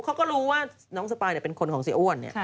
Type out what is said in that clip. เขาก็รู้ว่าน้องสปายเนี่ยเป็นคนของเสียอ้วนเนี่ย